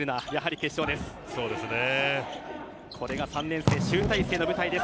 これが３年生集大成の舞台です。